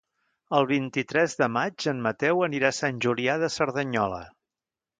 El vint-i-tres de maig en Mateu anirà a Sant Julià de Cerdanyola.